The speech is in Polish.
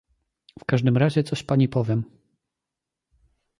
"W każdym razie coś pani powiem."